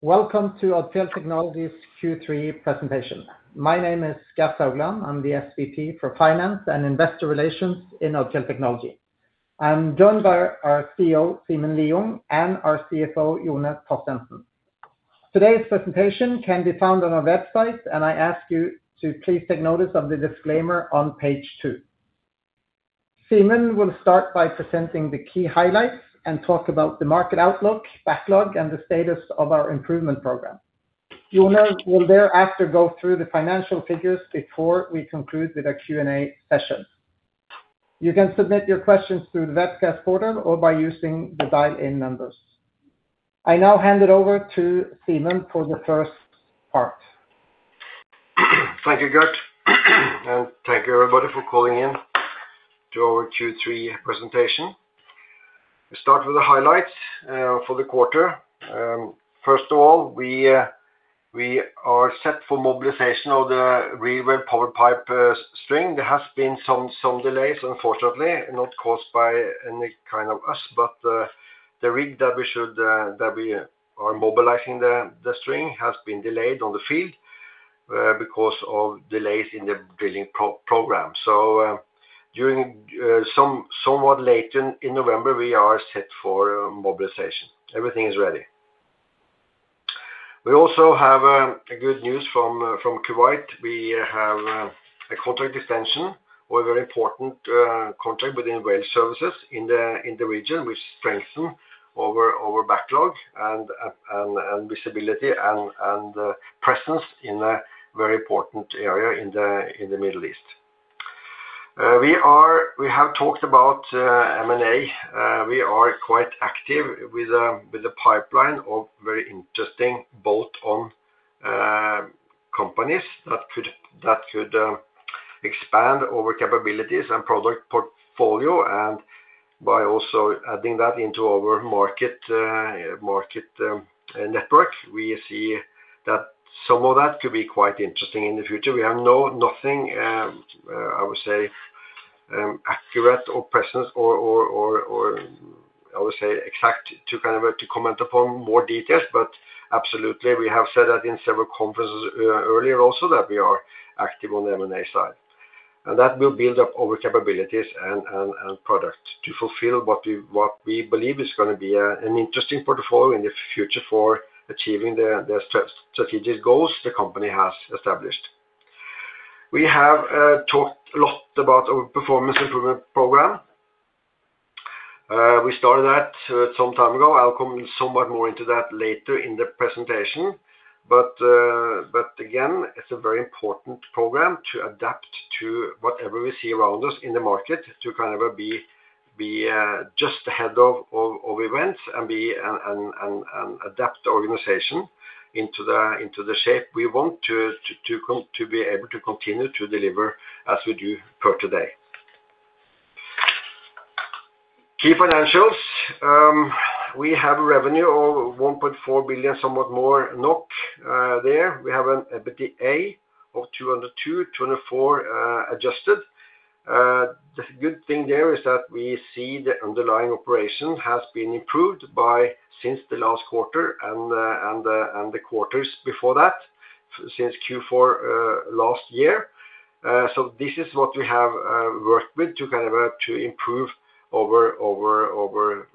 Welcome to Odfjell Technology's Q3 presentation. My name is Gert Haugland. I'm the SVP for Finance and Investor Relations in Odfjell Technology. I'm joined by our CEO, Simen Lieungh, and our CFO, Jone Torstensen. Today's presentation can be found on our website, and I ask you to please take notice of the disclaimer on page two. Simen will start by presenting the key highlights and talk about the market outlook, backlog, and the status of our improvement program. Jone will thereafter go through the financial figures before we conclude with a Q&A session. You can submit your questions through the webcast portal or by using the dial-in numbers. I now hand it over to Simen for the first part. Thank you, Gert. Thank you, everybody, for calling in to our Q3 presentation. We'll start with the highlights for the quarter. First of all, we are set for mobilization of the Reelwell PowerPipe string. There have been some delays, unfortunately, not caused by any kind of us, but the rig that we are mobilizing the string on has been delayed on the field because of delays in the drilling program. Somewhat late in November, we are set for mobilization. Everything is ready. We also have good news from Kuwait. We have a contract extension, a very important contract within rail services in the region, which strengthens our backlog and visibility and presence in a very important area in the Middle East. We have talked about M&A. We are quite active with the pipeline of very interesting bolt-on companies that could expand our capabilities and product portfolio. By also adding that into our market network, we see that some of that could be quite interesting in the future. We have nothing, I would say, accurate or present, or I would say exact to kind of comment upon more details, but absolutely, we have said that in several conferences earlier also that we are active on the M&A side. That will build up our capabilities and product to fulfill what we believe is going to be an interesting portfolio in the future for achieving the strategic goals the company has established. We have talked a lot about our performance improvement program. We started that some time ago. I'll come somewhat more into that later in the presentation. Again, it's a very important program to adapt to whatever we see around us in the market, to kind of be just ahead of events and be an adept organization into the shape we want to be able to continue to deliver as we do per today. Key financials. We have a revenue of 1.4 billion, somewhat more NOK there. We have an EBITDA of 202 million, 24 adjusted. The good thing there is that we see the underlying operation has been improved since the last quarter and the quarters before that since Q4 last year. This is what we have worked with to kind of improve our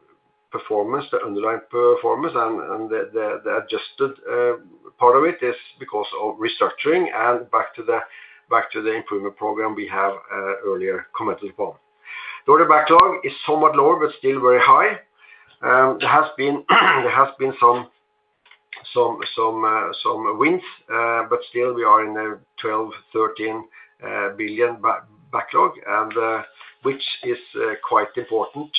performance, the underlying performance. The adjusted part of it is because of restructuring and back to the improvement program we have earlier commented upon. The order backlog is somewhat lower, but still very high. There has been some wins, but still we are in the 12 billion-13 billion backlog, which is quite important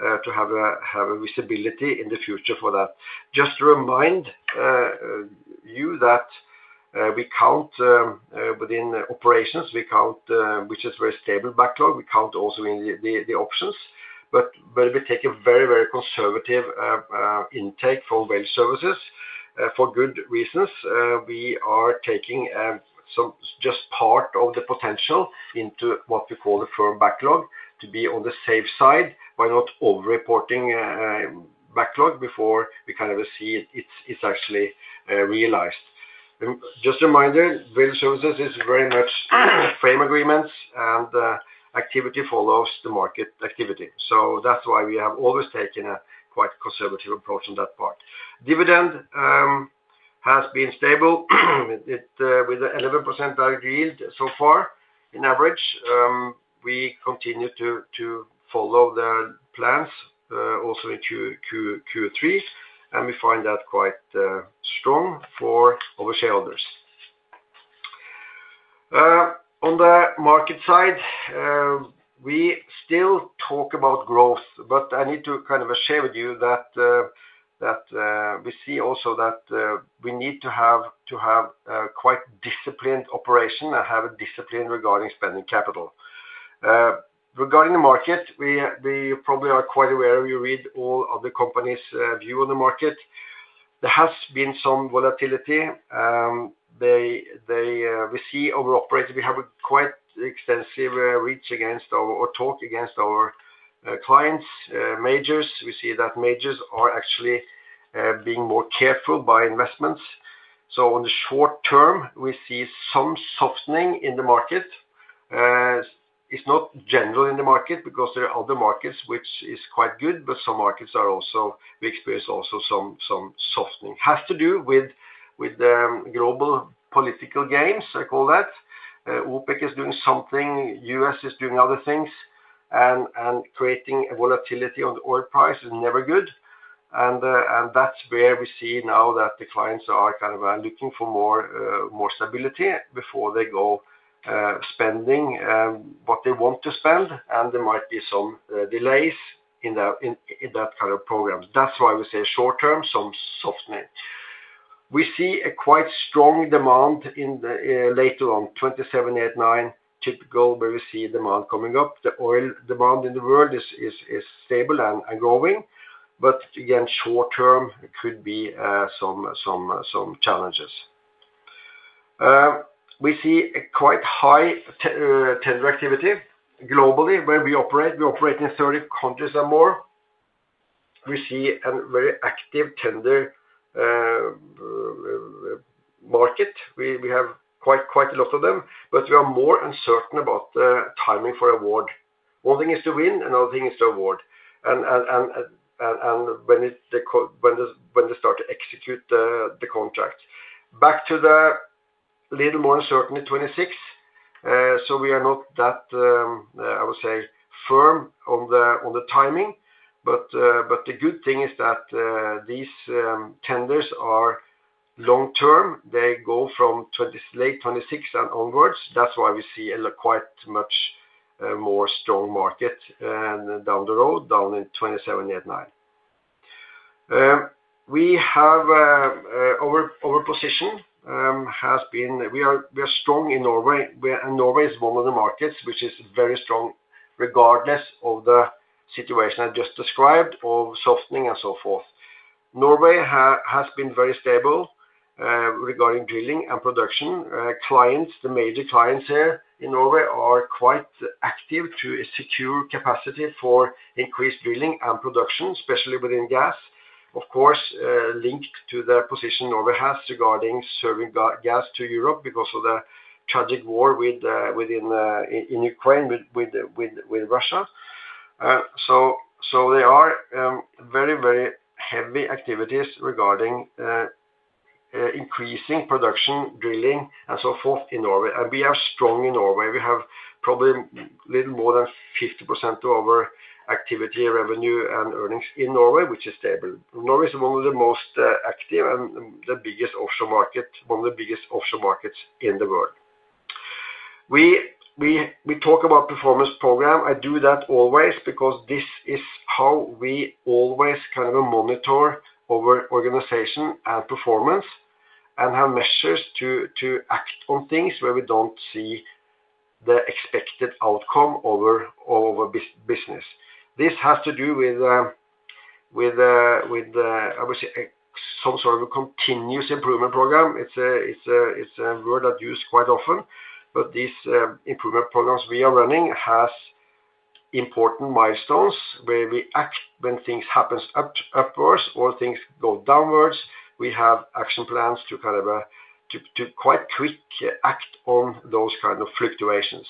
to have visibility in the future for that. Just to remind you that we count within Operations, which is a very stable backlog. We count also in the options, but we take a very, very conservative intake from rail services for good reasons. We are taking just part of the potential into what we call the firm backlog to be on the safe side by not overreporting backlog before we kind of see it's actually realized. Just a reminder, rail services is very much frame agreements, and activity follows the market activity. That is why we have always taken a quite conservative approach on that part. Dividend has been stable with an 11% direct yield so far in average. We continue to follow the plans also in Q3, and we find that quite strong for our shareholders. On the market side, we still talk about growth, but I need to kind of share with you that we see also that we need to have quite disciplined operation and have a discipline regarding spending capital. Regarding the market, we probably are quite aware if you read all other companies' view on the market. There has been some volatility. We see our operators, we have quite extensive reach against or talk against our clients, majors. We see that majors are actually being more careful by investments. In the short term, we see some softening in the market. It's not general in the market because there are other markets, which is quite good, but some markets are also, we experience also some softening. It has to do with the global political games, I call that. OPEC is doing something, the U.S. is doing other things, and creating volatility on the oil price is never good. That is where we see now that the clients are kind of looking for more stability before they go spending what they want to spend, and there might be some delays in that kind of program. That is why we say short-term, some softening. We see a quite strong demand later on, 2027, 2028, 2029, typical where we see demand coming up. The oil demand in the world is stable and growing, but again, short-term could be some challenges. We see quite high tender activity globally where we operate. We operate in 30 countries or more. We see a very active tender market. We have quite a lot of them, but we are more uncertain about the timing for award. One thing is to win, and another thing is to award, and when they start to execute the contract. Back to the little more uncertainty, 2026. We are not that, I would say, firm on the timing, but the good thing is that these tenders are long-term. They go from late 2026 and onwards. That is why we see quite much more strong market down the road, down in 2027, 2028, 2029. Our position has been we are strong in Norway, and Norway is one of the markets which is very strong regardless of the situation I just described of softening and so forth. Norway has been very stable regarding drilling and production. Clients, the major clients here in Norway are quite active to secure capacity for increased drilling and production, especially within gas, of course, linked to the position Norway has regarding serving gas to Europe because of the tragic war within Ukraine with Russia. There are very, very heavy activities regarding increasing production, drilling, and so forth in Norway. We are strong in Norway. We have probably a little more than 50% of our activity, revenue, and earnings in Norway, which is stable. Norway is one of the most active and the biggest offshore market, one of the biggest offshore markets in the world. We talk about performance program. I do that always because this is how we always kind of monitor our organization and performance and have measures to act on things where we don't see the expected outcome of our business. This has to do with, I would say, some sort of continuous improvement program. It's a word that's used quite often, but these improvement programs we are running have important milestones where we act when things happen upwards or things go downwards. We have action plans to kind of quite quickly act on those kinds of fluctuations.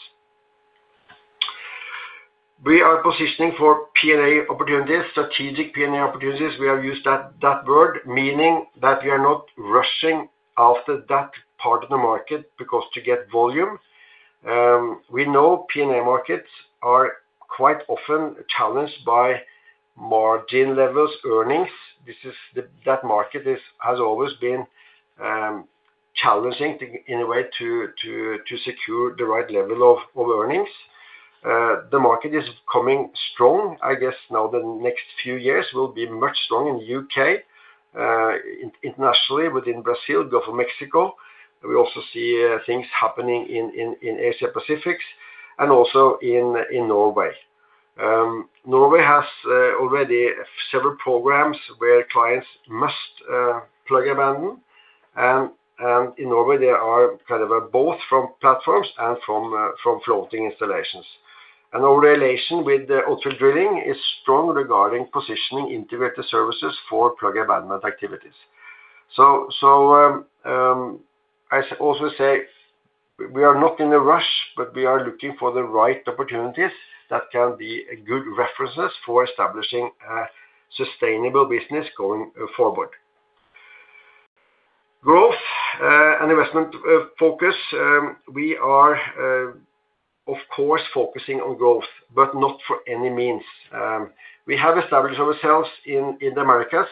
We are positioning for P&A opportunities, strategic P&A opportunities. We have used that word, meaning that we are not rushing after that part of the market because to get volume. We know P&A markets are quite often challenged by margin levels, earnings. That market has always been challenging in a way to secure the right level of earnings. The market is coming strong. I guess now the next few years will be much stronger in the U.K., internationally within Brazil, Gulf of Mexico. We also see things happening in Asia-Pacific and also in Norway. Norway has already several programs where clients must plug and abandon. In Norway, there are kind of both from platforms and from floating installations. Our relation with Odfjell Drilling is strong regarding positioning integrated services for plug-and-abandon activities. I also say we are not in a rush, but we are looking for the right opportunities that can be good references for establishing a sustainable business going forward. Growth and investment focus. We are, of course, focusing on growth, but not for any means. We have established ourselves in the Americas.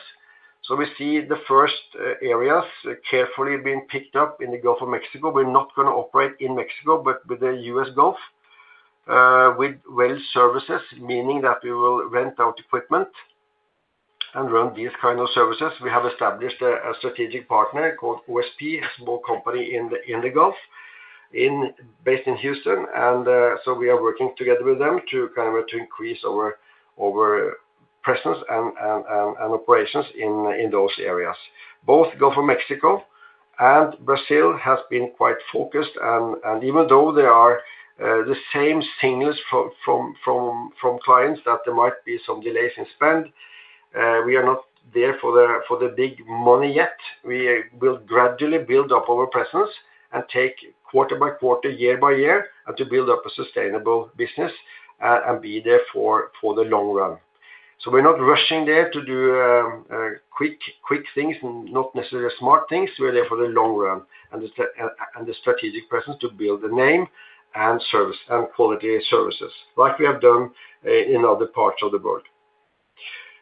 We see the first areas carefully being picked up in the Gulf of Mexico. We are not going to operate in Mexico, but with the U.S. Gulf with well services, meaning that we will rent out equipment and run these kinds of services. We have established a strategic partner called OSP, a small company in the Gulf based in Houston. We are working together with them to kind of increase our presence and operations in those areas. Both Gulf of Mexico and Brazil have been quite focused. Even though there are the same signals from clients that there might be some delays in spend, we are not there for the big money yet. We will gradually build up our presence and take quarter by quarter, year by year, to build up a sustainable business and be there for the long run. We are not rushing there to do quick things, not necessarily smart things. We are there for the long run and the strategic presence to build the name and quality services like we have done in other parts of the world.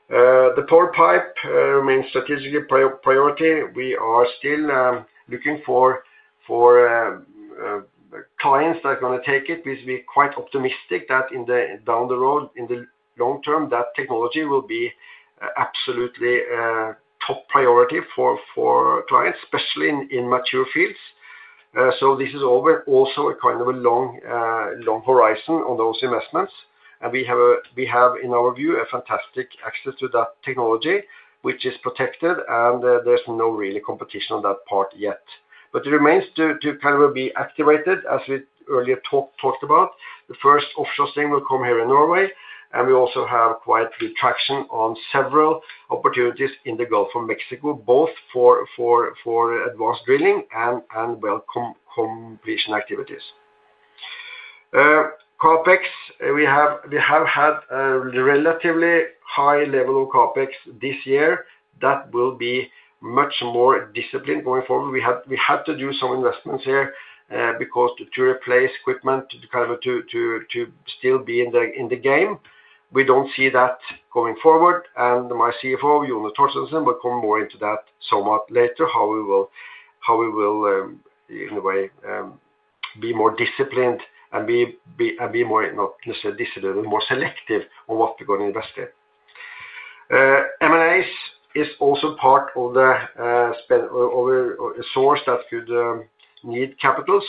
The PowerPipe remains strategically a priority. We are still looking for clients that are going to take it. We're quite optimistic that down the road, in the long term, that technology will be absolutely top priority for clients, especially in mature fields. This is also a kind of a long horizon on those investments. We have, in our view, a fantastic access to that technology, which is protected, and there's no really competition on that part yet. It remains to kind of be activated, as we earlier talked about. The first offshore thing will come here in Norway, and we also have quite good traction on several opportunities in the Gulf of Mexico, both for advanced drilling and well completion activities. CapEx, we have had a relatively high level of CapEx this year. That will be much more disciplined going forward. We had to do some investments here to replace equipment, kind of to still be in the game. We do not see that going forward. My CFO, Jone Torstensen, will come more into that somewhat later, how we will, in a way, be more disciplined and be more, not necessarily disciplined, but more selective on what we are going to invest in. M&A is also part of a source that could need capital.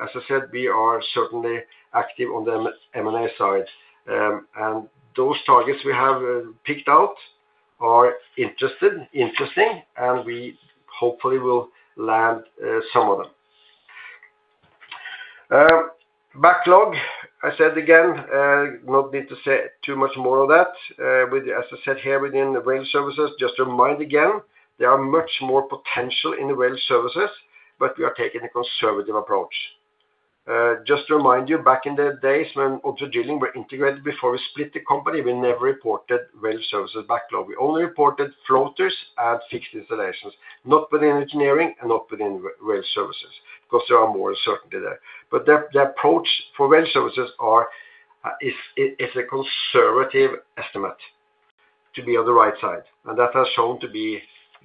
As I said, we are certainly active on the M&A side. Those targets we have picked out are interesting, and we hopefully will land some of them. Backlog, I said again, not need to say too much more of that. As I said here within rail services, just to remind again, there is much more potential in the rail services, but we are taking a conservative approach. Just to remind you, back in the days when Odfjell drilling were integrated before we split the company, we never reported Well Services backlog. We only reported floaters and fixed installations, not within engineering and not within Well Services because there is more uncertainty there. The approach for Well Services is a conservative estimate to be on the right side. That has shown to be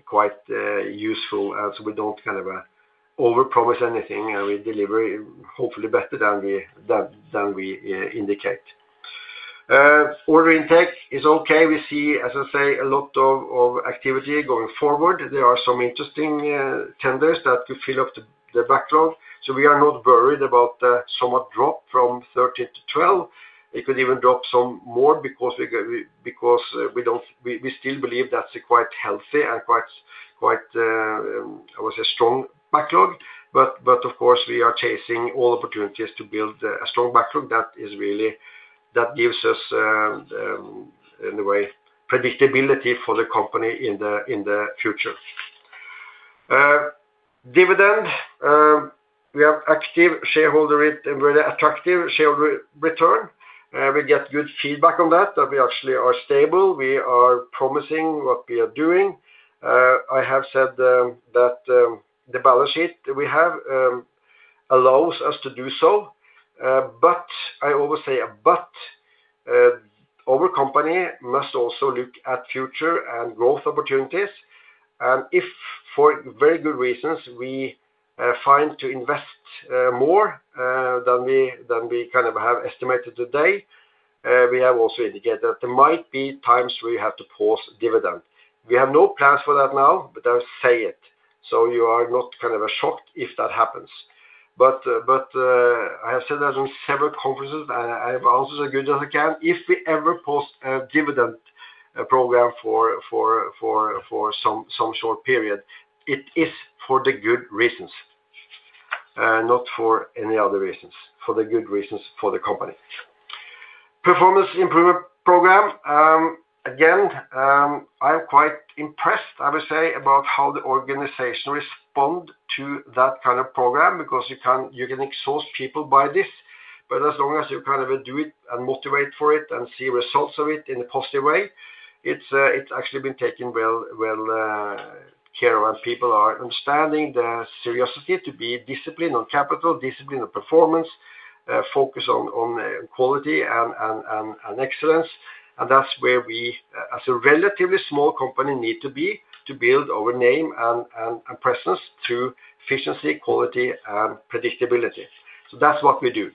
quite useful, as we do not kind of overpromise anything, and we deliver hopefully better than we indicate. Order intake is okay. We see, as I say, a lot of activity going forward. There are some interesting tenders that could fill up the backlog. We are not worried about the somewhat drop from 13 billion-12 billion. It could even drop some more because we still believe that is a quite healthy and quite, I would say, strong backlog. Of course, we are chasing all opportunities to build a strong backlog that gives us, in a way, predictability for the company in the future. Dividend, we have active shareholder rate and very attractive shareholder return. We get good feedback on that that we actually are stable. We are promising what we are doing. I have said that the balance sheet we have allows us to do so. I always say a but. Our company must also look at future and growth opportunities. If for very good reasons we find to invest more than we kind of have estimated today, we have also indicated that there might be times where you have to pause dividend. We have no plans for that now, but I will say it. You are not kind of shocked if that happens. I have said that in several conferences. I have answered as good as I can. If we ever post a dividend program for some short period, it is for the good reasons, not for any other reasons, for the good reasons for the company. Performance improvement program. Again, I'm quite impressed, I would say, about how the organization responds to that kind of program because you can exhaust people by this. As long as you kind of do it and motivate for it and see results of it in a positive way, it's actually been taken well care of, and people are understanding the seriousness to be disciplined on capital, disciplined on performance, focus on quality and excellence. That is where we, as a relatively small company, need to be to build our name and presence through efficiency, quality, and predictability. That is what we do.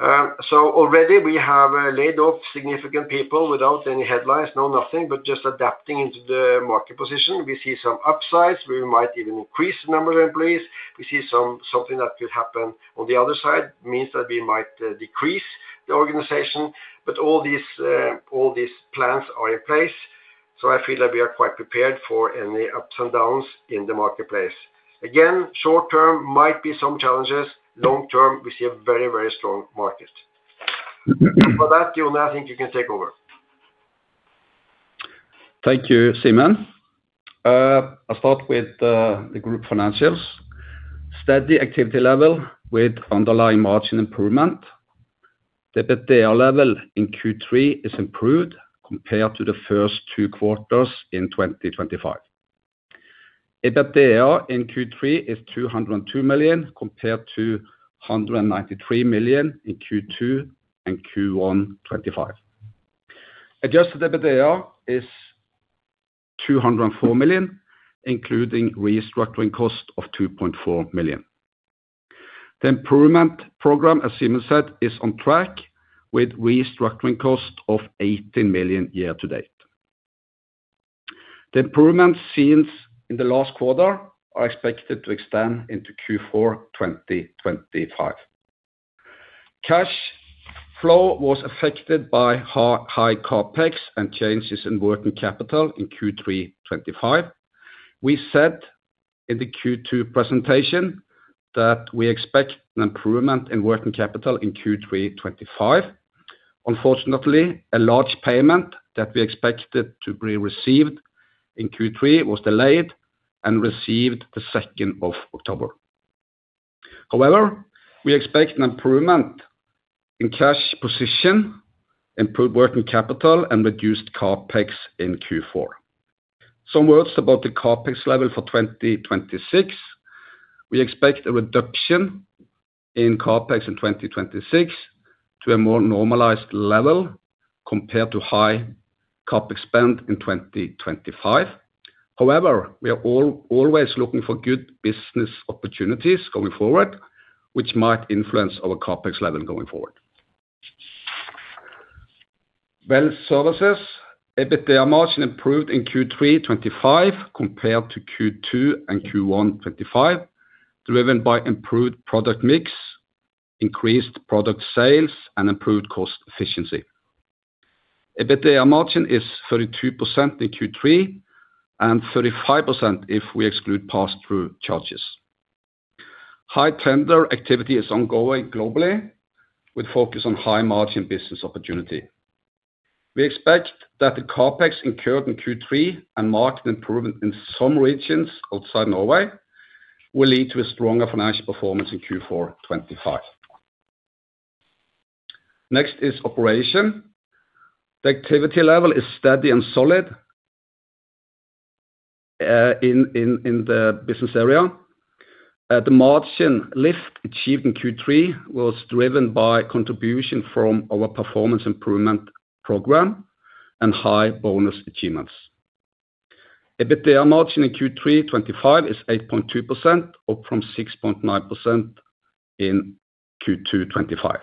Already we have laid off significant people without any headlines, no nothing, but just adapting into the market position. We see some upsides. We might even increase the number of employees. We see something that could happen on the other side, means that we might decrease the organization. All these plans are in place. I feel that we are quite prepared for any ups and downs in the marketplace. Again, short term might be some challenges. Long term, we see a very, very strong market. With that, Jone, I think you can take over. Thank you, Simen. I'll start with the group financials. Steady activity level with underlying margin improvement. EBITDA level in Q3 is improved compared to the first two quarters in 2025. EBITDA in Q3 is 202 million compared to 193 million in Q2 and Q1 2025. Adjusted EBITDA is 204 million, including restructuring cost of 2.4 million. The improvement program, as Simen said, is on track with restructuring cost of 18 million year to date. The improvement seen in the last quarter is expected to extend into Q4 2025. Cash flow was affected by high CapEx and changes in working capital in Q3 2025. We said in the Q2 presentation that we expect an improvement in working capital in Q3 2025. Unfortunately, a large payment that we expected to be received in Q3 was delayed and received the 2nd of October. However, we expect an improvement in cash position, improved working capital, and reduced CapEx in Q4. Some words about the CapEx level for 2026. We expect a reduction in CapEx in 2026 to a more normalized level compared to high CapEx spend in 2025. However, we are always looking for good business opportunities going forward, which might influence our CapEx level going forward. Well Services, EBITDA margin improved in Q3 2025 compared to Q2 and Q1 2025, driven by improved product mix, increased product sales, and improved cost efficiency. EBITDA margin is 32% in Q3 and 35% if we exclude pass-through charges. High tender activity is ongoing globally with focus on high margin business opportunity. We expect that the CapEx incurred in Q3 and market improvement in some regions outside Norway will lead to a stronger financial performance in Q4 2025. Next is Operations. The activity level is steady and solid in the business area. The margin lift achieved in Q3 was driven by contribution from our performance improvement program and high bonus achievements. EBITDA margin in Q3 2025 is 8.2%, up from 6.9% in Q2 2025.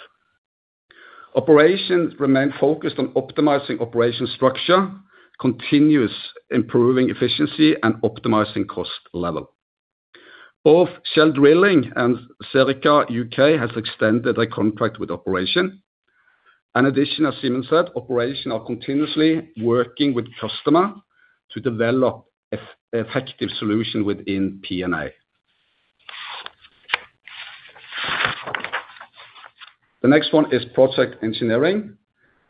Operations remain focused on optimizing operation structure, continuously improving efficiency, and optimizing cost level. Both Shell Drilling and Serica U.K. have extended their contract with operations. In addition, as Simen said, operations are continuously working with customers to develop effective solutions within P&A. The next one is project engineering.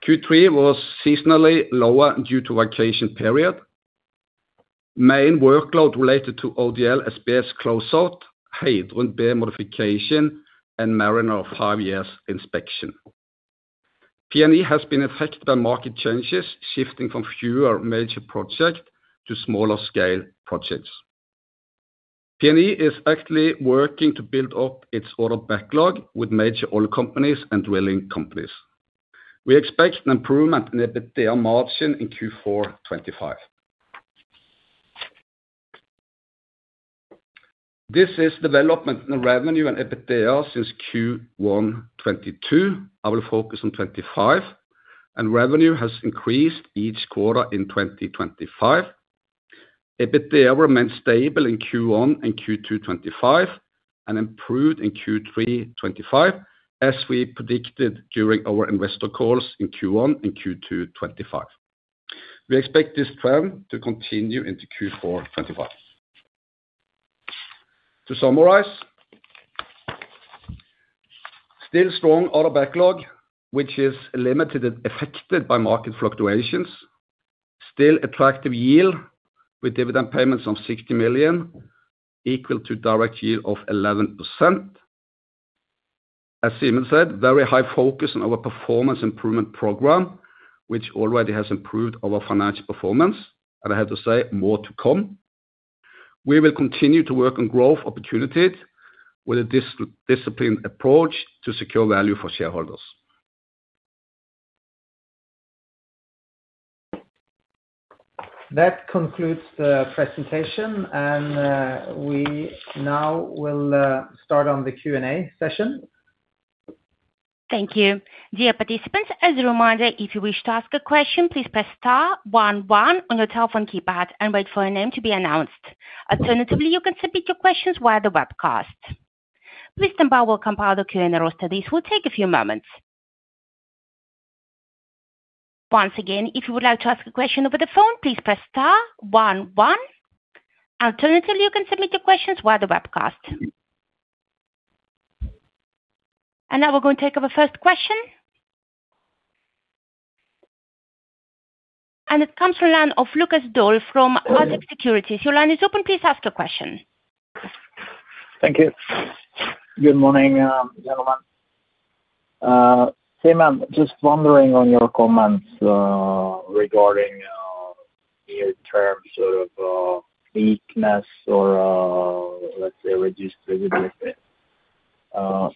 Q3 was seasonally lower due to vacation period. Main workload related to ODL has been closed out, hydrogen bay modification, and mariner of five years inspection. P&E has been affected by market changes, shifting from fewer major projects to smaller scale projects. P&E is actively working to build up its order backlog with major oil companies and drilling companies. We expect an improvement in EBITDA margin in Q4 2025. This is development in revenue and EBITDA since Q1 2022. I will focus on 2025. And revenue has increased each quarter in 2025. EBITDA remained stable in Q1 and Q2 2025 and improved in Q3 2025, as we predicted during our investor calls in Q1 and Q2 2025. We expect this trend to continue into Q4 2025. To summarize, still strong order backlog, which is limited and affected by market fluctuations. Still attractive yield with dividend payments of 60 million, equal to direct yield of 11%. As Simen said, very high focus on our performance improvement program, which already has improved our financial performance. I have to say, more to come. We will continue to work on growth opportunities with a disciplined approach to secure value for shareholders. That concludes the presentation, and we now will start on the Q&A session. Thank you. Dear participants, as a reminder, if you wish to ask a question, please press star one one on your telephone keypad and wait for a name to be announced. Alternatively, you can submit your questions via the webcast. Please stand by while we compile the Q&A roster. This will take a few moments. Once again, if you would like to ask a question over the phone, please press star one one. Alternatively, you can submit your questions via the webcast. Now we are going to take our first question. It comes from Lucas Dalen of Arctic Securities. Your line is open. Please ask your question. Thank you. Good morning, gentlemen. Simen, just wondering on your comments regarding the terms of weakness or, let's say, reduced visibility.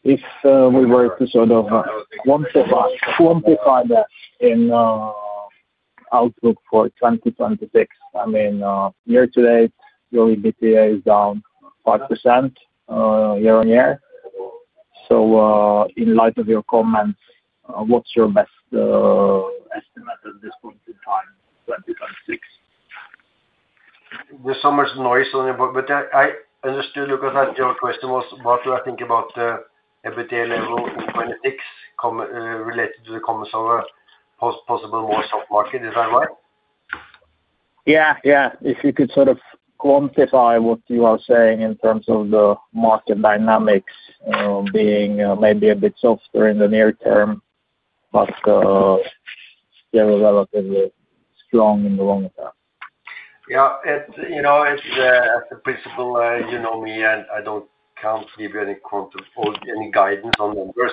If we were to sort of quantify that in outlook for 2026, I mean, year to date, EBITDA is down 5% year on year. In light of your comments, what's your best estimate at this point in time, 2026? There's so much noise on it, but I understood because your question was, what do I think about the EBITDA level in 2026 related to the comments of a possible more soft market? Is that right? Yeah, yeah. If you could sort of quantify what you are saying in terms of the market dynamics being maybe a bit softer in the near term, but still relatively strong in the long term. Yeah. As a principle, you know me, and I do not come to give you any guidance on numbers.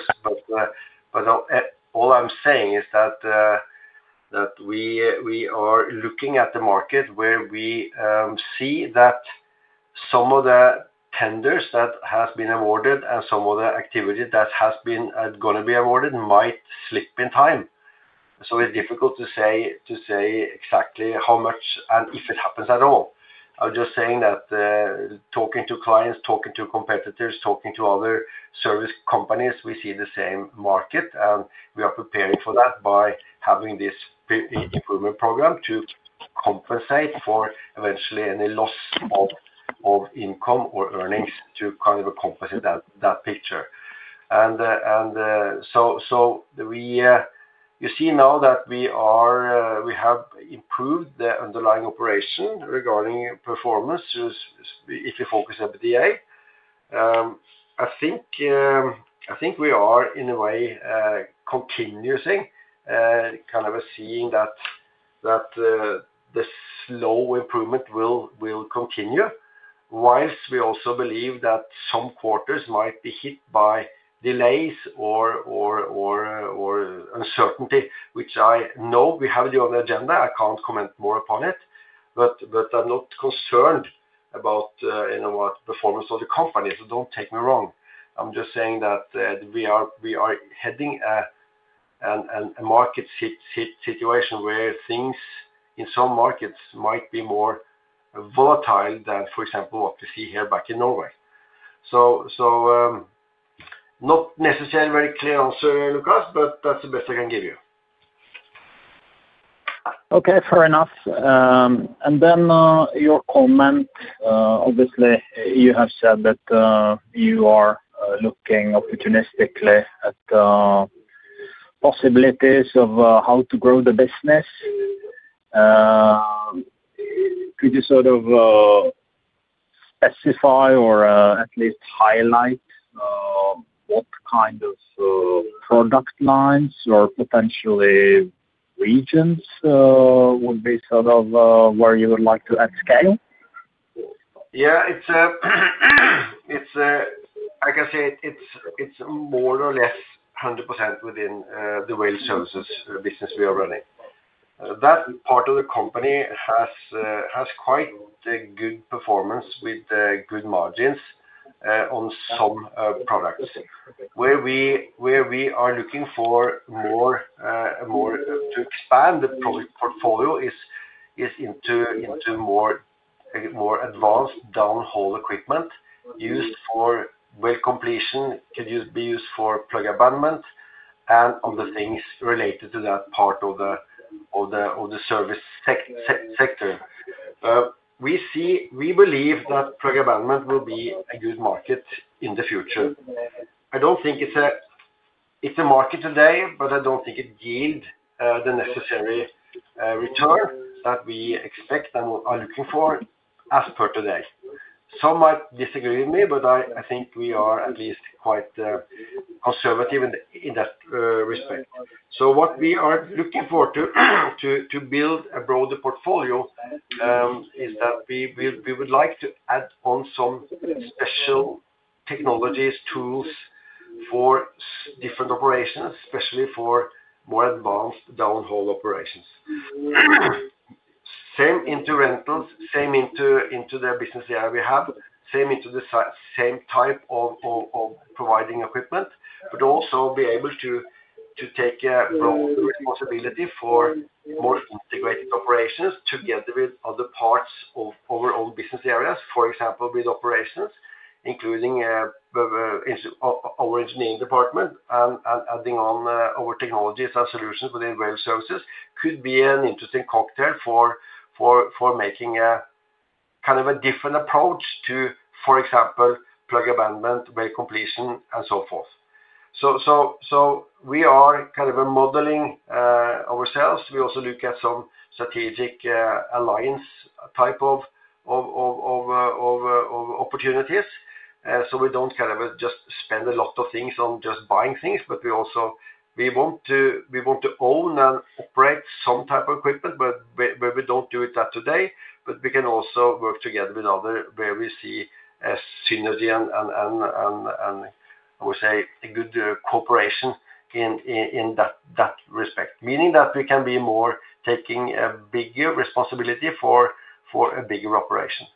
All I am saying is that we are looking at the market where we see that some of the tenders that have been awarded and some of the activity that has been going to be awarded might slip in time. It is difficult to say exactly how much and if it happens at all. I'm just saying that talking to clients, talking to competitors, talking to other service companies, we see the same market. We are preparing for that by having this improvement program to compensate for eventually any loss of income or earnings to kind of compensate that picture. You see now that we have improved the underlying operation regarding performance if you focus on EBITDA. I think we are, in a way, continuously kind of seeing that the slow improvement will continue, whilst we also believe that some quarters might be hit by delays or uncertainty, which I know we have on the agenda. I can't comment more upon it, but I'm not concerned about the performance of the company. Don't take me wrong. I'm just saying that we are heading a market situation where things in some markets might be more volatile than, for example, what we see here back in Norway. Not necessarily a very clear answer, Lucas, but that's the best I can give you. Okay, fair enough. Your comment, obviously, you have said that you are looking opportunistically at possibilities of how to grow the business. Could you sort of specify or at least highlight what kind of product lines or potentially regions would be sort of where you would like to add scale? Yeah, I can say it's more or less 100% within the Well Services business we are running. That part of the company has quite good performance with good margins on some products. Where we are looking for more to expand the product portfolio is into more advanced downhole equipment used for well completion, could be used for plug abandonment, and other things related to that part of the service sector. We believe that plug abandonment will be a good market in the future. I do not think it is a market today, but I do not think it yields the necessary return that we expect and are looking for as per today. Some might disagree with me, but I think we are at least quite conservative in that respect. What we are looking for to build a broader portfolio is that we would like to add on some special technologies, tools for different operations, especially for more advanced downhole operations. Same into rentals, same into the business area we have, same into the same type of providing equipment, but also be able to take a broader responsibility for more integrated operations together with other parts of our own business areas, for example, with Operations, including our engineering department and adding on our technologies and solutions within Well Services could be an interesting cocktail for making kind of a different approach to, for example, plug abandonment, well completion, and so forth. We are kind of modeling ourselves. We also look at some strategic alliance type of opportunities. We do not just spend a lot of things on just buying things, but we also want to own and operate some type of equipment, but we do not do that today. We can also work together with others where we see synergy and, I would say, a good cooperation in that respect, meaning that we can be more taking a bigger responsibility for a bigger operation.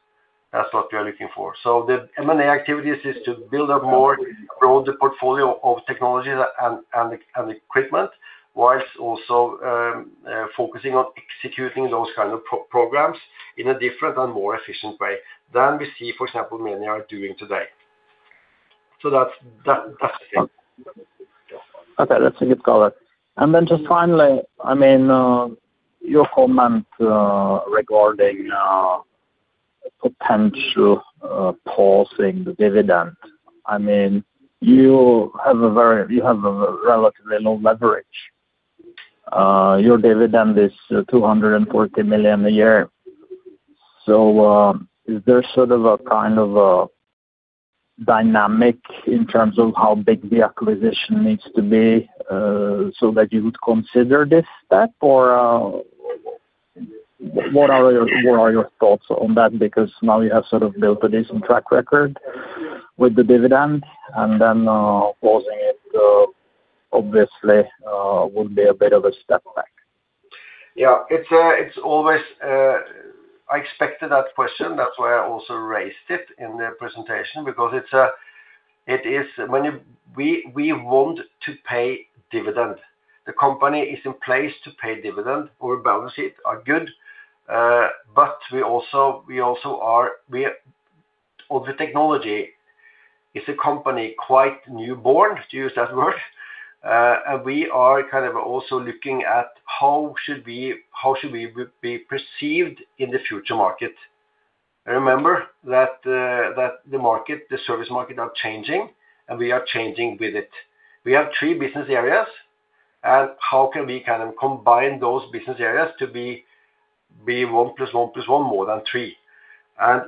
That is what we are looking for. The M&A activities are to build up a more broad portfolio of technologies and equipment, whilst also focusing on executing those kinds of programs in a different and more efficient way than we see, for example, many are doing today. That is the thing. Okay, that is a good comment. And then just finally, I mean, your comment regarding potential pausing the dividend. I mean, you have a relatively low leverage. Your dividend is 240 million a year. Is there sort of a kind of dynamic in terms of how big the acquisition needs to be so that you would consider this step? Or what are your thoughts on that? Because now you have sort of built a decent track record with the dividend, and then pausing it, obviously, would be a bit of a step back. Yeah, I expected that question. That is why I also raised it in the presentation, because it is when we want to pay dividend. The company is in place to pay dividend, our balance sheet is good, but we also are with technology. It is a company quite newborn, to use that word. And we are kind of also looking at how should we be perceived in the future market. Remember that the market, the service market, is changing, and we are changing with it. We have three business areas, and how can we kind of combine those business areas to be one plus one plus one more than three?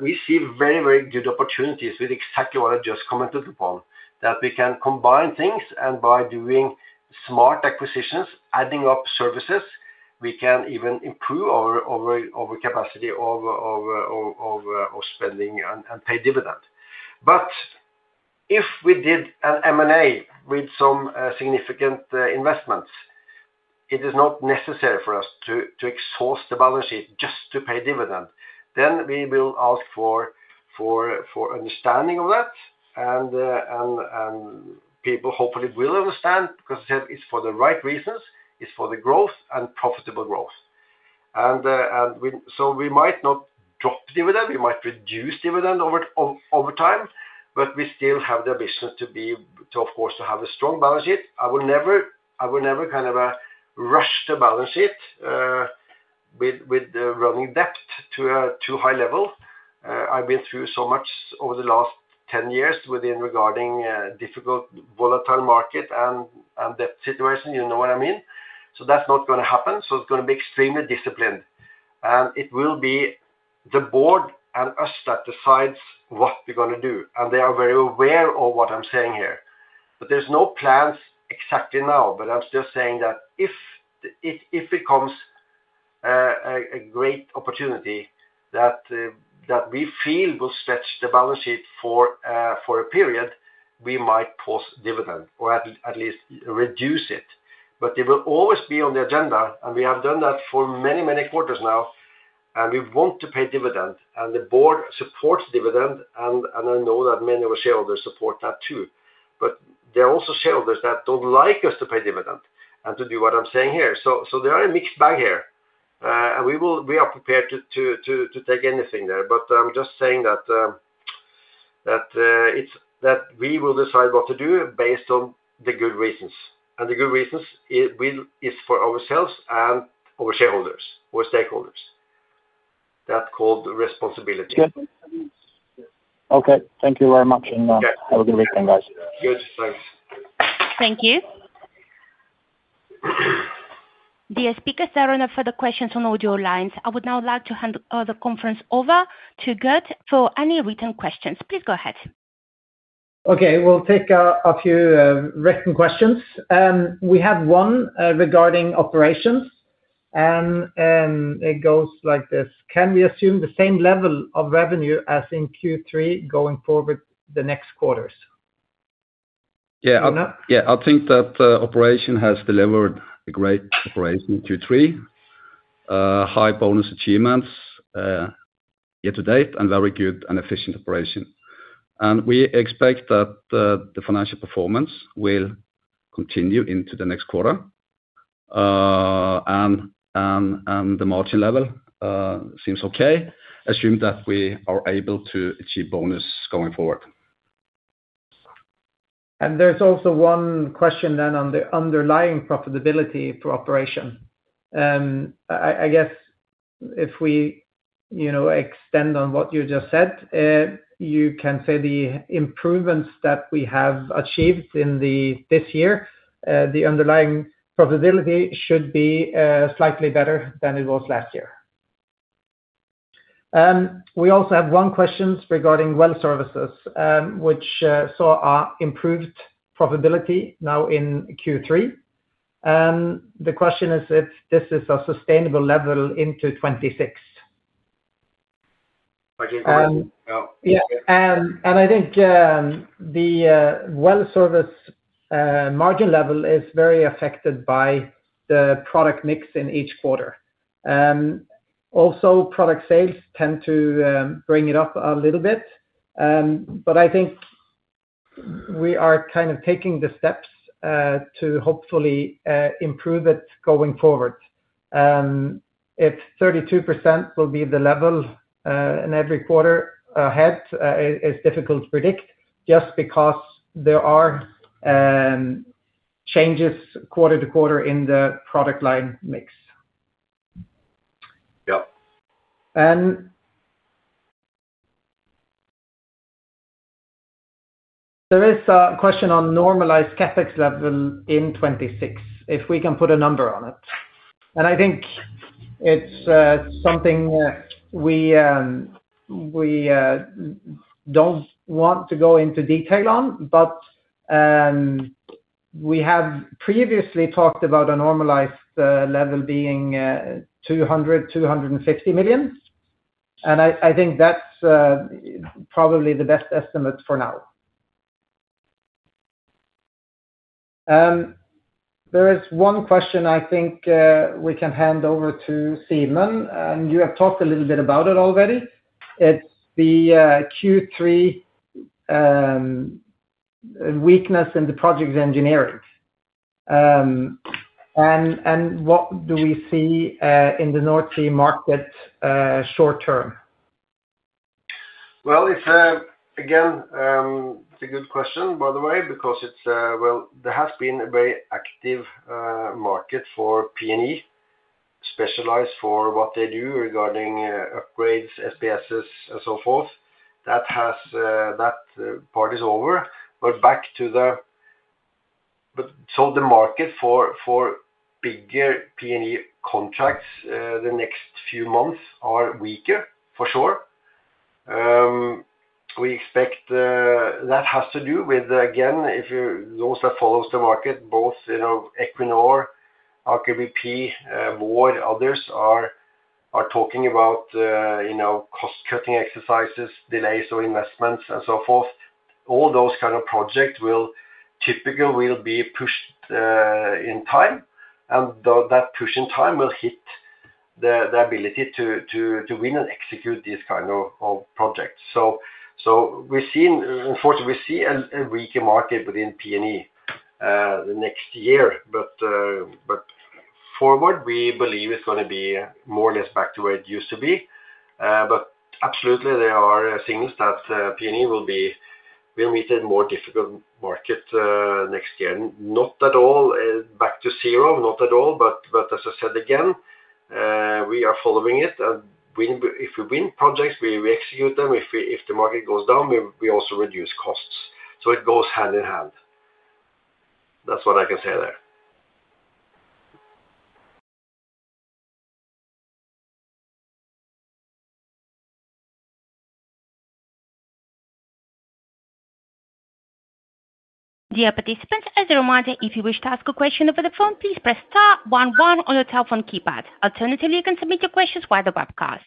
We see very, very good opportunities with exactly what I just commented upon, that we can combine things and by doing smart acquisitions, adding up services, we can even improve our capacity of spending and pay dividend. If we did an M&A with some significant investments, it is not necessary for us to exhaust the balance sheet just to pay dividend. We will ask for understanding of that, and people hopefully will understand because it is for the right reasons. It is for the growth and profitable growth. We might not drop dividend. We might reduce dividend over time, but we still have the ambition to, of course, have a strong balance sheet. I will never kind of rush the balance sheet with running debt to a high level. I have been through so much over the last 10 years regarding difficult volatile market and debt situation. You know what I mean? That is not going to happen. It is going to be extremely disciplined. It will be the board and us that decide what we are going to do. They are very aware of what I am saying here. There are no plans exactly now, but I am just saying that if a great opportunity comes that we feel will stretch the balance sheet for a period, we might pause dividend or at least reduce it. It will always be on the agenda, and we have done that for many, many quarters now. We want to pay dividend, and the board supports dividend, and I know that many of our shareholders support that too. There are also shareholders that do not like us to pay dividend and to do what I am saying here. There is a mixed bag here. We are prepared to take anything there. I am just saying that we will decide what to do based on the good reasons. The good reasons are for ourselves and our shareholders, our stakeholders. That is called responsibility. Okay. Thank you very much, and have a good weekend, guys. Thank you. The speakers are on up for the questions on audio lines. I would now like to hand the conference over to Gert for any written questions. Please go ahead. Okay. We will take a few written questions. We have one regarding operations, and it goes like this. Can we assume the same level of revenue as in Q3 going forward the next quarters? Yeah. I think that operation has delivered a great operation in Q3, high bonus achievements year to date, and very good and efficient operation. We expect that the financial performance will continue into the next quarter. The margin level seems okay, assuming that we are able to achieve bonus going forward. There is also one question on the underlying profitability for Operations. I guess if we extend on what you just said, you can say the improvements that we have achieved this year, the underlying profitability should be slightly better than it was last year. We also have one question regarding Well Services, which saw improved profitability now in Q3. The question is if this is a sustainable level into 2026. Yeah. I think the Well Services margin level is very affected by the product mix in each quarter. Also, product sales tend to bring it up a little bit. I think we are kind of taking the steps to hopefully improve it going forward. If 32% will be the level in every quarter ahead, it's difficult to predict just because there are changes quarter to quarter in the product line mix. Yeah. There is a question on normalized CapEx level in 2026, if we can put a number on it. I think it's something we don't want to go into detail on, but we have previously talked about a normalized level being 200 million-250 million. I think that's probably the best estimate for now. There is one question I think we can hand over to Simen. You have talked a little bit about it already. It's the Q3 weakness in the project engineering. What do we see in the North Sea market short term? Again, it's a good question, by the way, because there has been a very active market for P&A specialized for what they do regarding upgrades, SPSS, and so forth. That part is over. Back to the market for bigger P&A contracts, the next few months are weaker, for sure. We expect that has to do with, again, if you're those that follow the market, both Equinor, Aker BP, more, others are talking about cost-cutting exercises, delays of investments, and so forth. All those kind of projects will typically be pushed in time. That push in time will hit the ability to win and execute these kind of projects. Unfortunately, we see a weaker market within P&A the next year. Forward, we believe it's going to be more or less back to where it used to be. But absolutely, there are signals that P&E will meet a more difficult market next year. Not at all back to zero, not at all. As I said again, we are following it. If we win projects, we execute them. If the market goes down, we also reduce costs. It goes hand in hand. That is what I can say there. Dear participants, as a reminder, if you wish to ask a question over the phone, please press star one one on your telephone keypad. Alternatively, you can submit your questions via the webcast.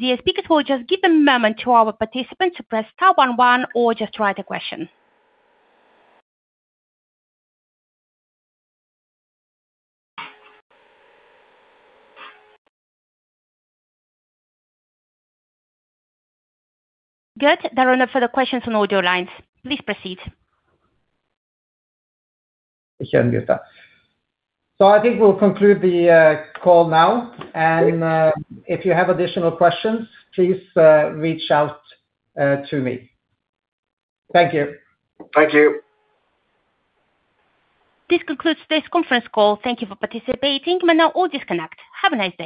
Dear speakers, we will just give a moment to our participants to press star one one or just write a question. Gert, there are no further questions on audio lines. Please proceed. I think we will conclude the call now. If you have additional questions, please reach out to me. Thank you. Thank you. This concludes this conference call. Thank you for participating. We'll now all disconnect. Have a nice day.